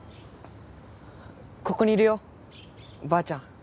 ここにいるよばあちゃん。